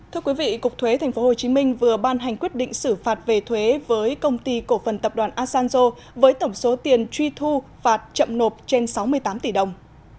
thưa quý vị cục thuế tp hcm vừa ban hành quyết định xử phạt về thuế với công ty cổ phần tập đoàn asanzo với tổng số tiền truy thu phạt chậm nộp trên sáu mươi tám tỷ đồng